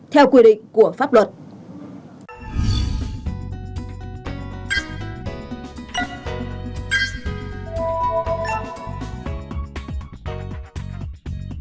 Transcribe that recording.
theo quy định của pháp luật